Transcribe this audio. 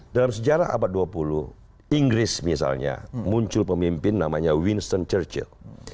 dalam sejarah abad dua puluh inggris misalnya muncul pemimpin namanya winston churchil